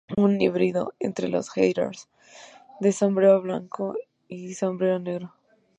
Son un híbrido entre los hackers de sombrero blanco y de sombrero negro.